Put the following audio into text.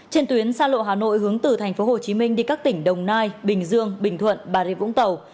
trên tuyến xa lộ hà nội hướng từ tp hcm đi các tỉnh đồng nai bình dương bình thuận bà rịa vũng tàu